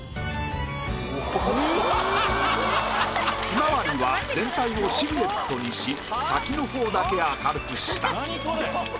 ヒマワリは全体をシルエットにし先の方だけ明るくした。